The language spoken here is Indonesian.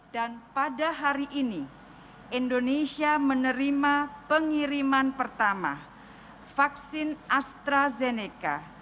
pada hari ini indonesia menerima pengiriman pertama vaksin astrazeneca